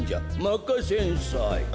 まかせんさい。